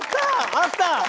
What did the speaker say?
あった！